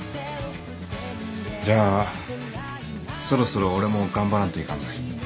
じゃあそろそろ俺も頑張らんといかんばい。